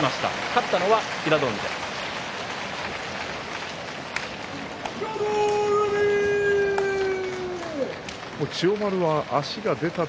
勝ったのは平戸海でした。